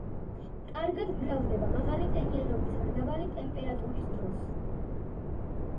კარგად მრავლდება მაღალი ტენიანობისა და დაბალი ტემპერატურის დროს.